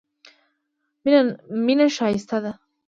مینه ښایسته ده.